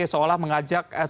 seolah mengajak seolah